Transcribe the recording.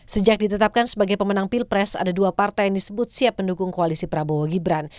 sejak ditetapkan sebagai pemenang pilpres ada dua partai yang disebut siap mendukung koalisi prabowo gibran